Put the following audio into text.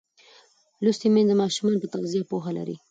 لوستې میندې د ماشوم پر تغذیه پوهه لري.